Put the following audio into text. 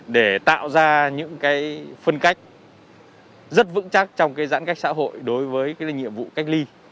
để tạo ra những phân cách rất vững chắc trong cái giãn cách xã hội đối với nhiệm vụ cách ly